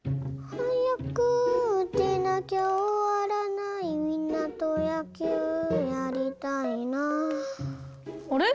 はやくうてなきゃおわらないみんなとやきゅうやりたいなあれ？